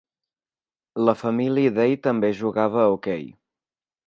La família Dey també jugava a hoquei.